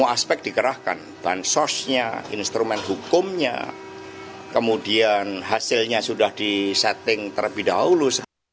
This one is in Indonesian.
aspek dikerahkan bahan sosnya instrumen hukumnya kemudian hasilnya sudah disetting terlebih dahulu